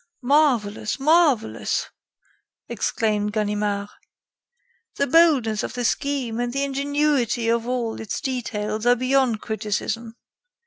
"Marvelous! Marvelous!" exclaimed Ganimard. "The boldness of the scheme and the ingenuity of all its details are beyond criticism.